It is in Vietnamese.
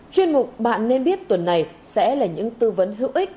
chuyên mục bạn nên biết tuần này sẽ là những tư vấn hữu ích